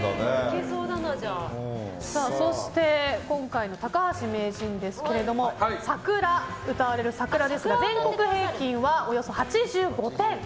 そして今回の高橋名人ですけれども歌われる「さくら」ですが全国平均は、およそ８５点。